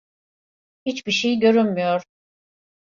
Hiçbir şey görünmüyor.